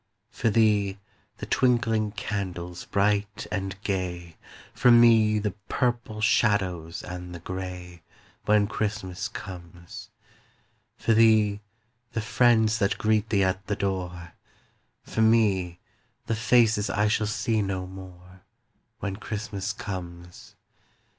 For thee, the twinkling candles bright and gay, For me, the purple shadows and the grey, When Christmas comes. For thee, the friends that greet thee at the door, For me, the faces I shall see no more, When Christmas comes.